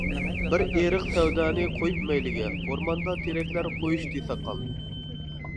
بىر ئېرىق سەۋدانى قويۇپ مەيلىگە، ئورماندا تېرەكلەر قويۇشتى ساقال.